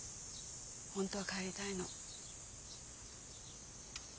本当は帰りたいの。